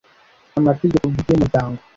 amategeko bwite y umuryango